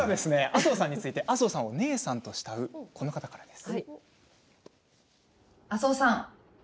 麻生さんについて麻生さんを姉さんと慕うこの方からです。